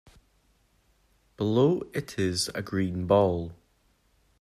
Below it is a green ball.